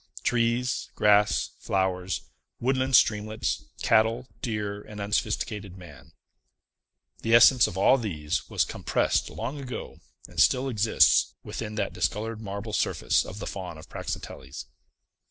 Trees, grass, flowers, woodland streamlets, cattle, deer, and unsophisticated man. The essence of all these was compressed long ago, and still exists, within that discolored marble surface of the Faun of Praxiteles.